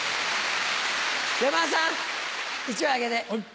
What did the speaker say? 山田さん１枚あげて。